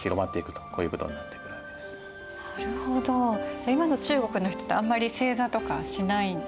じゃあ今の中国の人ってあんまり正座とかはしないんですか？